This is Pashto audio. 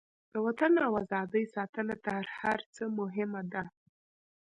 د وطن او ازادۍ ساتنه تر هر څه مهمه ده.